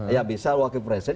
ya bisa wakil presiden